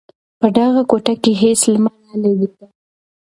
په دغه کوټه کې هېڅ لمر نه لگېده.